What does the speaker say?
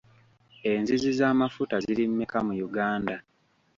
Enzizi z'amafuta ziri mmeka mu Uganda?